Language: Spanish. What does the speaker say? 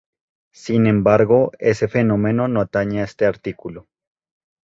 Sin embargo ese fenómeno no atañe a este artículo.